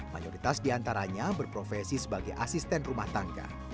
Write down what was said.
mayoritas di antaranya berprofesi sebagai asisten rumah tangga